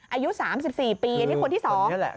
อายุ๓๔ปีคนนี้คนนี้แหละ